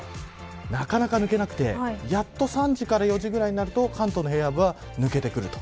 なかなか抜けなくて、やっと３時か４時くらいになると関東の平野部は抜けてくる。